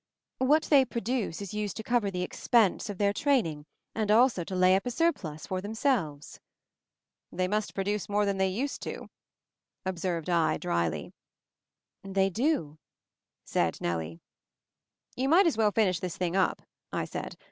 What they produce is used to cover the expense of their train ing, and also to lay up a surplus for them selves." "They must produce more than they used to," observed I drily. MOVING THE MOUNTAIN 55 'They do," said Nellie. You might as well finish this thing up," I said.